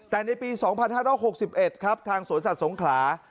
แต่ในปี๒๕๖๑ครับทางสวนสัตว์สงขลา